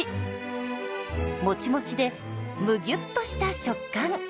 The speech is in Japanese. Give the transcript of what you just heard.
もちもちでむぎゅっとした食感。